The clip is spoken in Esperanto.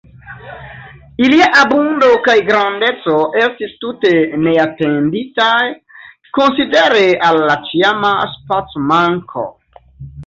Ilia abundo kaj grandeco estis tute neatenditaj, konsidere al la ĉiama spacomanko.